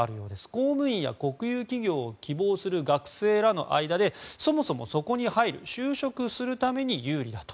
公務員や国有企業を希望する学生らの間でそもそもそこに入る就職するために有利だと。